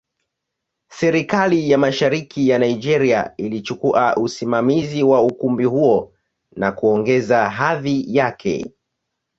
Serikali ya Mashariki ya Nigeria ilichukua usimamizi wa ukumbi huo na kuongeza hadhi yake.